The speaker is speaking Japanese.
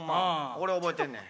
俺覚えてんねん。